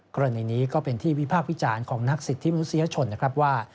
กรณีนี้ก็เป็นที่วิพากษ์วิจารณ์ของนักสิทธิมนุษยชนนะครับว่า